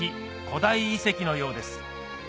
古代遺跡のようです